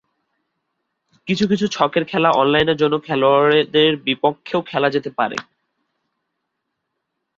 কিছু কিছু ছকের খেলা অনলাইনে অন্য খেলোয়াড়ের বিপক্ষেও খেলা যেতে পারে।